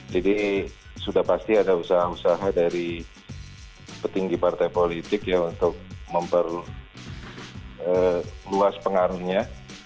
jadi sudah pasti ada usaha usaha dari petinggi partai politik ya untuk memperluas pengaruhnya